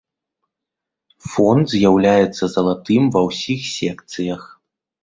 Фон з'яўляецца залатым ва ўсіх секцыях.